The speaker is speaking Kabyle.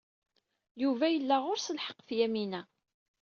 Yuba yella ɣur-s lḥeq ɣef Yamina.